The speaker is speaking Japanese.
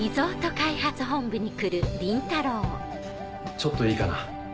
ちょっといいかな？